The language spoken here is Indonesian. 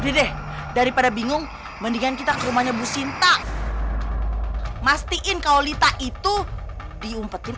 ini deh daripada bingung mendingan kita ke rumahnya bu sinta mastiin kaulita itu diumpetin